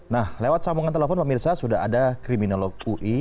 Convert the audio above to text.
nah lewat sambungan telepon pak mirsa sudah ada kriminalop ui